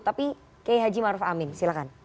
tapi k h maruf amin silakan